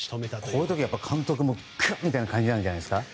こういう時は監督もくって感じなんじゃないですか？